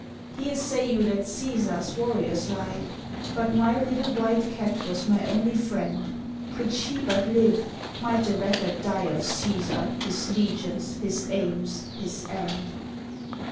"Here say you that Cæsar's warriors lie?— But my little white cat was my only friend! Could she but live, might the record die Of Cæsar, his legions, his aims, his end!"